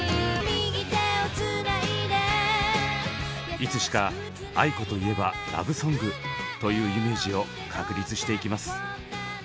いつしか「ａｉｋｏといえばラブソング」というイメージを確立していきます。